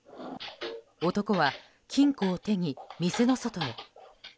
男は金庫を手に店の外へ。